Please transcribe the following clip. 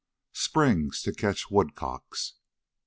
Springs to catch woodcocks.